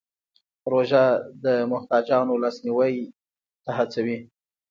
روژه د محتاجانو لاسنیوی ته هڅوي.